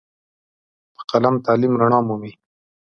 په قلم تعلیم رڼا مومي.